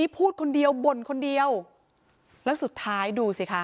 พูดคนเดียวบ่นคนเดียวแล้วสุดท้ายดูสิคะ